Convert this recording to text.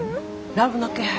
ラブの気配。